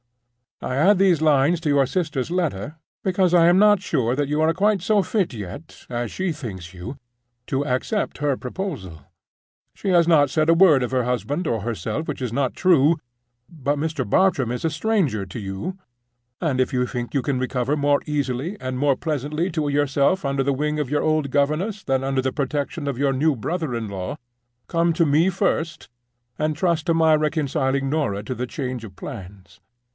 I add these lines to your sister's letter because I am not sure that you are quite so fit yet, as she thinks you, to accept her proposal. She has not said a word of her husband or herself which is not true. But Mr. Bartram is a stranger to you; and if you think you can recover more easily and more pleasantly to yourself under the wing of your old governess than under the protection of your new brother in law, come to me first, and trust to my reconciling Norah to the change of plans.